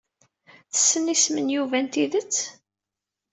Tessen isem n Yuba n tidet?